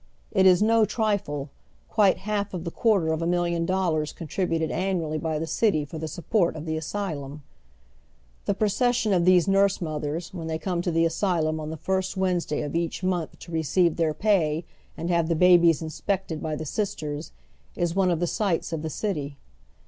It is no triile, quite half of the quarter of a million dollars eonti'ibuted annually by the city for tlie support of the asylum. The procession of these nurse mothers, wlieii they come to the asylum on the first Wednesday of each month to I'eceive their pay and have the babies inspected by the sisters, is one of the siglits of the city.